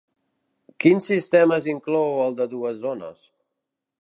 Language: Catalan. Quins sistemes inclou el de dues zones?